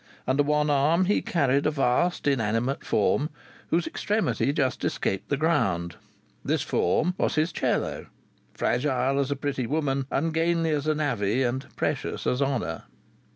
Under one arm he carried a vast inanimate form whose extremity just escaped the ground. This form was his violoncello, fragile as a pretty woman, ungainly as a navvy, and precious as honour.